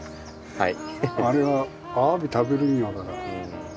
はい。